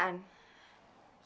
kek ingat kecelakaan